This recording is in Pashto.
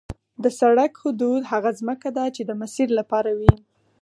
د سړک حدود هغه ځمکه ده چې د مسیر لپاره وي